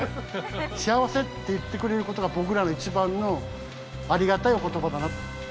「幸せ」って言ってくれる事が僕らの一番のありがたいお言葉だなと。